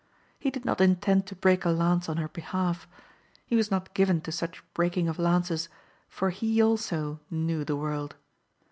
He did not intend to break a lance on her behalf. He was not given to such breaking of lances, for he also knew the world.